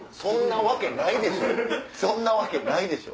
そんなわけないでしょ！